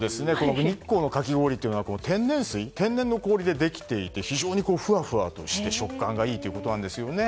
日光のかき氷は天然の氷でできていて非常にふわふわとして食感がいいということなんですね。